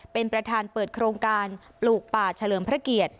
เป็นประธานเปิดโครงการปลูกป่าเฉลิมพระเกียรติ